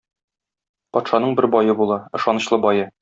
Патшаның бер бае була, ышанычлы бае.